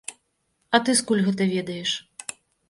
А ты скуль гэта ведаеш?